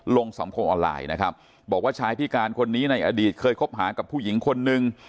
สังคมออนไลน์นะครับบอกว่าชายพิการคนนี้ในอดีตเคยคบหากับผู้หญิงคนนึง